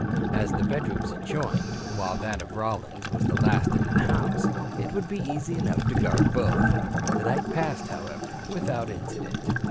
As the bedrooms adjoined, while that of Rollins was the last in the house, it would be easy enough to guard both. The night passed, however, without incident.